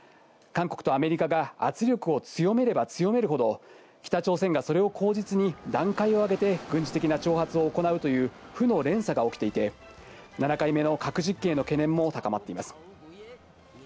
韓国とアメリカが圧力を強めれば強めるほど、北朝鮮がそれを口実に段階を上げて軍事的な挑発を行うという負の連鎖が起きていて、７回目の核実験への懸念も高まっています。